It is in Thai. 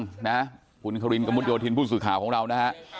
เล่าให้ฟังนะครับคุณครินกระมุดโยธินผู้สื่อข่าวของเรานะครับ